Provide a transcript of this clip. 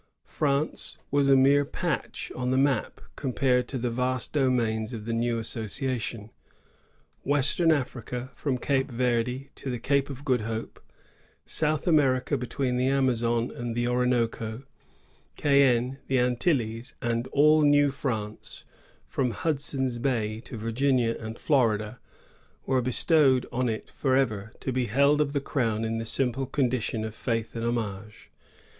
France was a mere patch on the map, compared to the vast domains of the new association. Western Africa from Cape Verd to the Cape of Good Hope, South America between the Amazon and the Orinoco, Cayenne, the Antilles, and all New France, from Hudson's Bay to Virginia and Florida, were bestowed on it forever, to be held of the Crown on the simple condition of faith and homage.